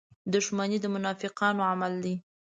• دښمني د منافقانو عمل دی.